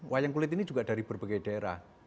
wayang kulit ini juga dari berbagai daerah